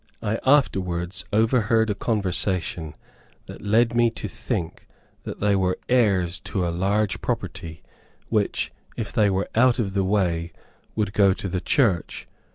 I afterwards overheard a conversation that led me to think that they were heirs to a large property, which, if they were out of the way, would go to the church.